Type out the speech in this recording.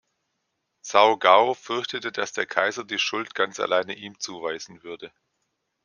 Zhao Gao fürchtete, dass der Kaiser die Schuld ganz alleine ihm zuweisen würde.